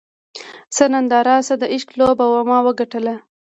څه ننداره څه د عشق لوبه وه ما وګټله